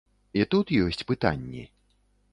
І тут ёсць пытанні.